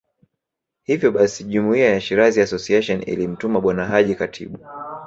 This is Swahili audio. Hivyo basi Jumuiya ya Shirazi Association ilimtuma Bwana Haji Khatibu